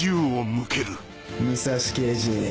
武蔵刑事。